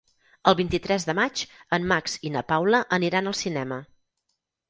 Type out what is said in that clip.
El vint-i-tres de maig en Max i na Paula aniran al cinema.